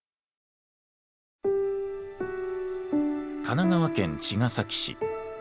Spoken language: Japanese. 神奈川県茅ヶ崎市。